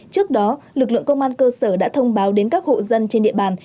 trước đó lực lượng công an cơ sở đã thông báo đến các hộ dân trên địa bàn